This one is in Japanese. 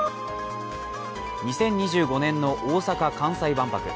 ２０２５年の大阪・関西万博。